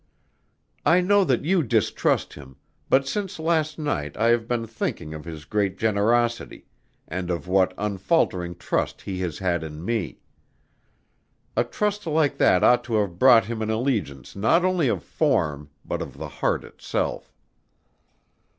"I know that you distrust him, but since last night I have been thinking of his great generosity, and of what unfaltering trust he has had in me. A trust like that ought to have brought him an allegiance not only of form but of the heart itself.